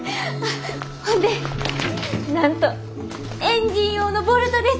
ほんでなんとエンジン用のボルトです。